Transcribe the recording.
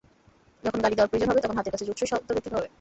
যখন গালি দেওয়ার প্রয়োজন হবে, তখন হাতের কাছে জুতসই শব্দ পেতে হবে।